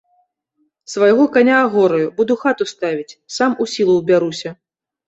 Свайго каня агораю, буду хату ставіць, сам у сілу ўбяруся.